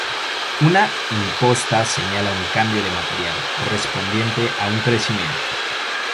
Una imposta señala un cambio de material, correspondiente a un recrecimiento.